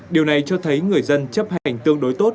điều này cho thấy người dân chấp hành tương đối tốt